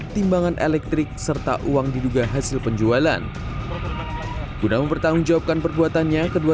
timbangan elektrik serta uang diduga hasil penjualan guna mempertanggungjawabkan perbuatannya kedua